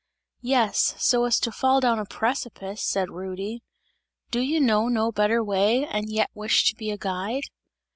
"Yes, so as to fall down a precipice!" said Rudy; "Do you know no better way, and yet wish to be a guide?"